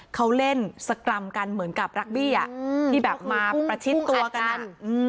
เขาเล่นสกรรมกันเหมือนกับรักบี้ที่แบบมาประชิดตัวกันนั้น